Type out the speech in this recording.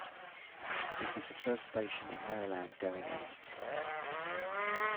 This is the first station in Maryland going east.